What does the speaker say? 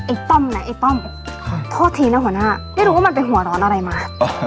ต้อมนะไอ้ต้อมโทษทีนะหัวหน้าไม่รู้ว่ามันไปหัวร้อนอะไรมา